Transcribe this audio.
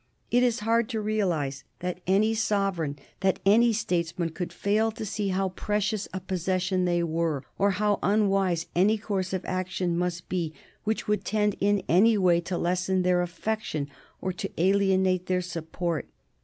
It is hard to realize that any sovereign, that any statesman could fail to see how precious a possession they were, or how unwise any course of action must be which could tend in any way to lessen their affection or to alienate their support.